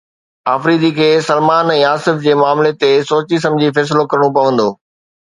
آفريدي کي سلمان ۽ آصف جي معاملي تي سوچي سمجهي فيصلو ڪرڻو پوندو